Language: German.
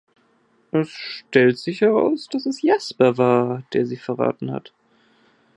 Es stellt sich heraus, dass es Jasper war, der sie verraten hat.